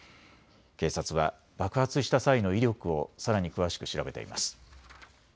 警察は爆発した際の威力をさらに詳しく調べています。